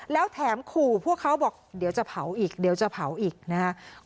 แล้วแถมขู่พวกเขาบอกเดี๋ยวจะเผาอีกเดี๋ยวจะเผาอีกนะครับ